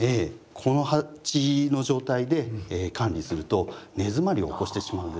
この鉢の状態で管理すると根詰まりを起こしてしまうんですよね。